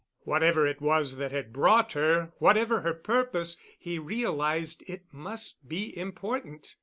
Whatever it was that had brought her whatever her purpose he realized it must be important.